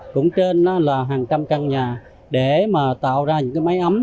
cũng trên là hàng trăm căn nhà để mà tạo ra những cái máy ấm